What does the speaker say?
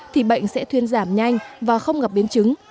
thì bệnh sẽ thuyên giảm nhanh và không gặp biến chứng